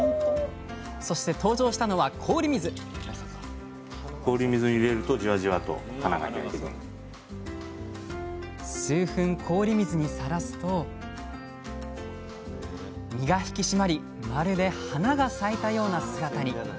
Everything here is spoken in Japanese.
そして登場したのは氷水数分氷水にさらすと身が引き締まりまるで花が咲いたような姿に！